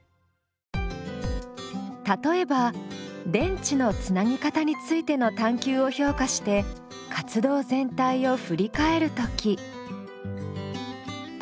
例えば電池のつなぎ方についての探究を評価して活動全体をふり返るとき。